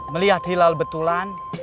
melihat hilal betulan